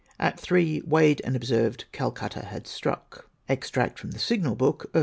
At 3, weighed and observed Calcutta had struck. Extract from the Signcd book of H.